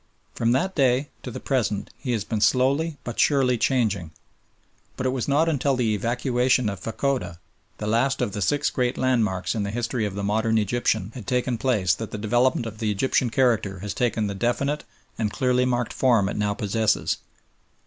From that day to the present he has been slowly, but surely, changing; but it was not until the evacuation of Fachoda, the last of the six great landmarks in the history of the modern Egyptian, had taken place that the development of the Egyptian character has taken the definite and clearly marked form it now possesses.